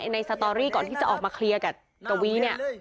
สตอรี่ก่อนที่จะออกมาเคลียร์กับกวีเนี่ย